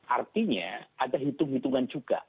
artinya ada hitung hitungan juga